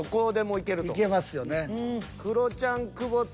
いけますよね。